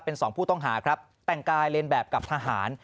เป็นสองผู้ต้องหาครับแต่งกายเรียนแบบกับทหาร